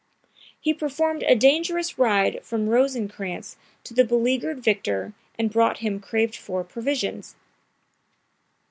He performed a dangerous ride from Rosencrantz to the beleagured victor and brought him craved for provisions.